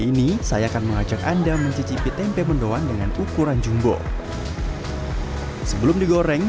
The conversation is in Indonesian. ini saya akan mengajak anda mencicipi tempe mendoan dengan ukuran jumbo sebelum digoreng